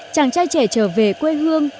chàng trai trẻ trở về quê hương